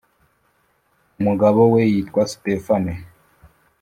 umugabo we yitwa stephane